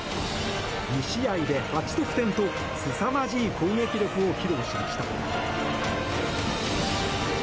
２試合で８得点とすさまじい攻撃力を披露しました。